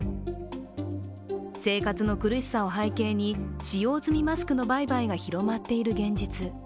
生活の苦しさを背景に使用済みマスクの売買が広まっている現実。